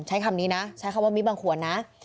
ใช้คำนี้นะใช้คำว่ามิบังควรนะ